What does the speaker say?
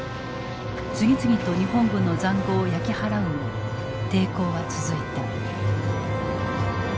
次々と日本軍の塹壕を焼き払うも抵抗は続いた。